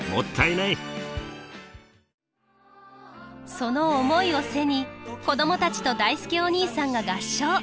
その思いを背に子供たちとだいすけお兄さんが合唱！